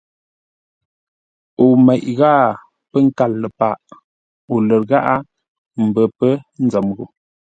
O meʼ ghâa pə̂ nkâr ləpâʼo lər gháʼá mbə́ nzəm gho.